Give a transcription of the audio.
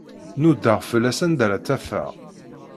Nudaɣ fell-as anda ara tt-afeɣ.